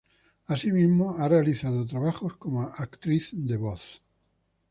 Asimismo, ha realizado trabajos como actriz de voz.